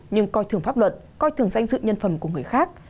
nhưng coi thường pháp luật coi thường danh dự nhân phẩm của người khác